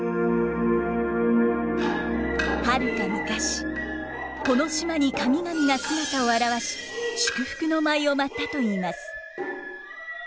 はるか昔この島に神々が姿を現し祝福の舞を舞ったといいます。